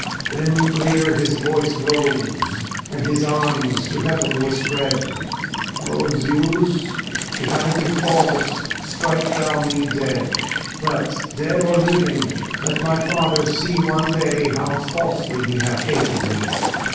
Then clear His voice rose, and his arms to heaven were spread: "O Zeus, if I be false, strike thou me dead! But, dead or living, let my Father see One day, how falsely he hath hated me!"